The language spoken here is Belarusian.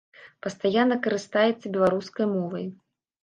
Пастаянна карыстаецца беларускай мовай.